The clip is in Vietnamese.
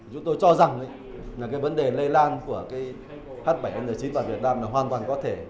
chúng tôi cho rằng vấn đề lây lan của h bảy n chín vào việt nam hoàn toàn có thể